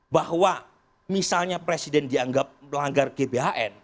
bahwa misalnya presiden dianggap melanggar gbhn